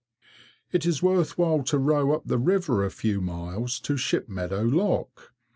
It is worth while to row up the river a few miles to Shipmeadow lock.